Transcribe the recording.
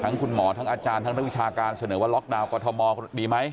คุณหมอทั้งอาจารย์ทั้งนักวิชาการเสนอว่าล็อกดาวนกรทมดีไหม